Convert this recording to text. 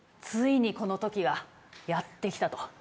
ついにこの時がやってきたと。